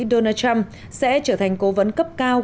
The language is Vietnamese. donald trump sẽ trở thành cố vấn cấp cao